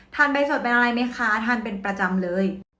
ใบสดเป็นอะไรไหมคะทานเป็นประจำเลย